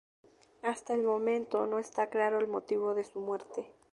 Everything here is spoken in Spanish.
Hasta el momento no está claro el motivo de su muerte.